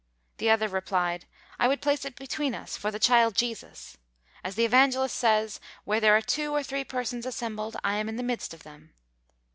The other replied, "I would place it between us, for the child Jesus; as the Evangelist says, where there are two or three persons assembled I am in the midst of them."